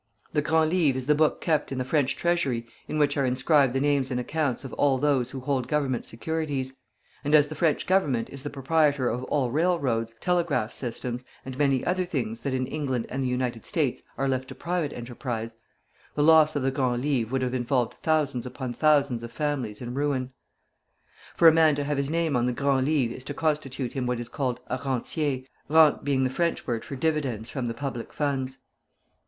The Grand Livre is the book kept in the French Treasury in which are inscribed the names and accounts of all those who hold Government securities; and as the French Government is the proprietor of all railroads, telegraph systems, and many other things that in England and the United States are left to private enterprise, the loss of the Grand Livre would have involved thousands upon thousands of families in ruin. For a man to have his name on the Grand Livre is to constitute him what is called a rentier, rentes being the French word for dividends from the public funds.